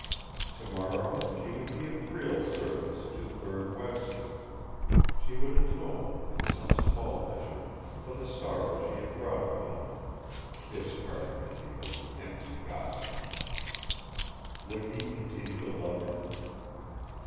Tomorrow she would be of real service to Berne Webster she would atone, in some small measure, for the sorrow she had brought upon him, discarding him because of empty gossip! Would he continue to love her?